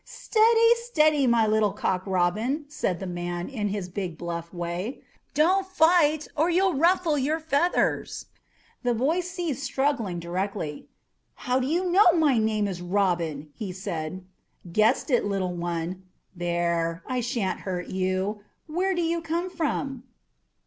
"Steady, steady, my little Cock Robin," said the man, in his big bluff way; "don't fight, or you'll ruffle your feathers." The boy ceased struggling directly. "How did you know my name was Robin?" he said. "Guessed it, little one. There, I shan't hurt you. Where do you come from?"